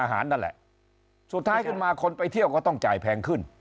นั่นแหละสุดท้ายขึ้นมาคนไปเที่ยวก็ต้องจ่ายแพงขึ้น